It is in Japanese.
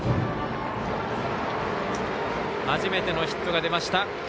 初めてのヒットが出ました。